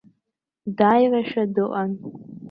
Дааирашәа дыҟан.